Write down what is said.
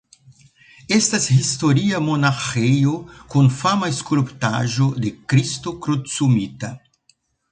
Estas historia monaĥejo kun fama skulptaĵo de Kristo Krucumita.